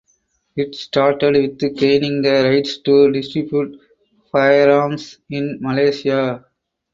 It started with gaining the rights to distribute firearms in Malaysia.